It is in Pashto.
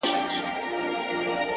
مهرباني د انسانیت تر ټولو ساده ځواک دی؛